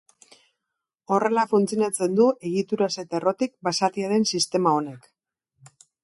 Horrela funtzionatzen du egituraz eta errotik basatia den sistema honek.